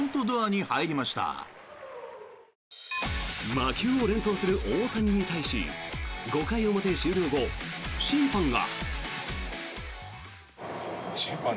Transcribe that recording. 魔球を連投する大谷に対し５回表終了後、審判が。